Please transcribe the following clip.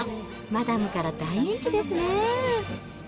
マダムから大人気ですね。